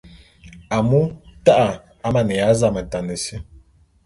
Amu ta'a amaneya zametane si.